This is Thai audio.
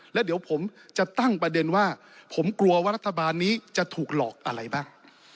แล้วเดี๋ยวผมจะตั้งประเด็นว่าผมกลัวว่ารัฐบาลนี้จะถูกหลอกอะไรบ้าง